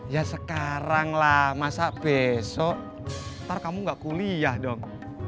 ya sekarang lah masa besok ntar kamu gak kuliah dong